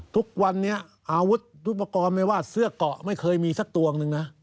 ทุกวันนี้อาวุธทุกปกรณ์ไม่ว่าเสื้อเกาะไม่เคยมีสักตวงหนึ่งนะ